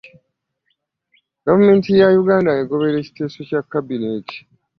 Gavumenti ya Uganda ng'egoberera ekiteeso kya Kabinenti